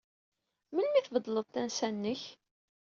Melmi ay tbeddleḍ tansa-nnek?